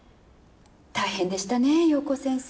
大変でしたね陽子先生。